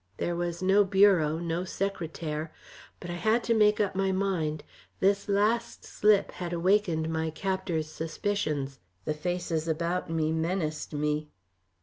There was no bureau, no secretaire. But I had to make up my mind. This last slip had awakened my captor's suspicions. The faces about me menaced me.